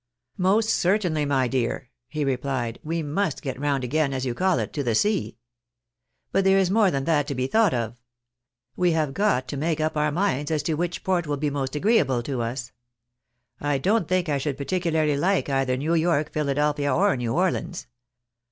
" Most certainly, my dear," he replied, " we must get round again, as you call it, to the sea. But there is more than that to be thought of. We have got to make up our minds as to which port will be most agreeable to us. I don't think I should particularly like either New York, Philadelphia, or New Orleans.